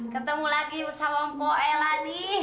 ketemu lagi bersama mpo ella nih